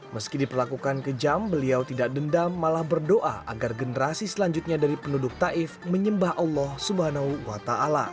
meski diperlakukan kejam beliau tidak dendam malah berdoa agar generasi selanjutnya dari penduduk taif menyembah allah swt